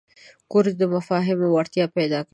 کورس د مفاهمې وړتیا پیدا کوي.